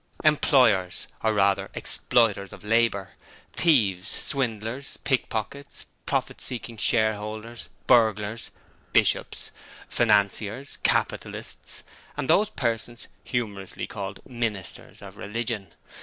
Employers or rather Exploiters of Labour; Thieves, Swindlers, Pickpockets; profit seeking share holders; burglars; Bishops; Financiers; Capitalists, and those persons humorously called "Ministers" of religion.